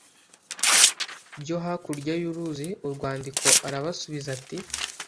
byo hakurya y uruzi urwandiko arabasubiza ati